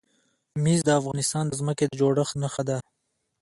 مس د افغانستان د ځمکې د جوړښت نښه ده.